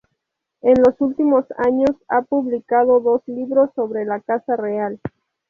En los últimos años ha publicado dos libros sobre la Casa Real.